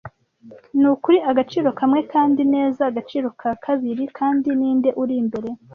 Nukuri agaciro kamwe kandi neza nagaciro ka kabiri, kandi ninde uri imbere?